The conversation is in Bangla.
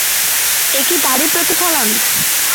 এ কি তারই প্রতিফল?